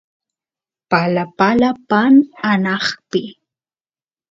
palapala paan anaqpi